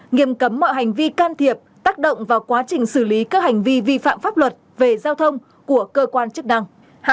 nghiêm cấm mọi hành vi can thiệp tác động vào quá trình xử lý các hành vi vi phạm pháp luật về giao thông của cơ quan chức năng